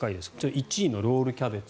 １位のロールキャベツ